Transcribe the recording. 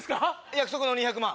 約束の２００万。